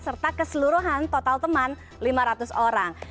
serta keseluruhan total teman lima ratus orang